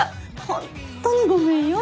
ほんとにごめんよ。